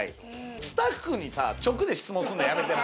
スタッフにさ直で質問するのやめてな。